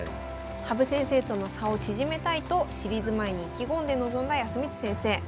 羽生先生との差を縮めたいとシリーズ前に意気込んで臨んだ康光先生。